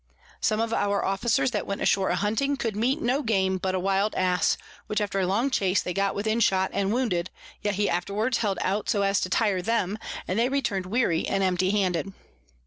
Some of our Officers that went ashore a hunting, could meet no Game but a wild Ass, which after a long Chase they got within shot and wounded; yet he afterwards held out so as to tire them, and they return'd weary and empty handed.